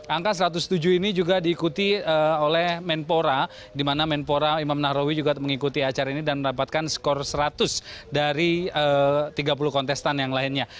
angka satu ratus tujuh ini juga diikuti oleh menpora di mana menpora imam nahrawi juga mengikuti acara ini dan mendapatkan skor seratus dari tiga puluh kontestan yang lainnya